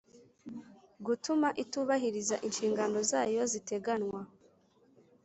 gutuma itubahiriza inshingano zayo ziteganwa